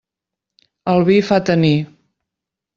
El vi fa tenir.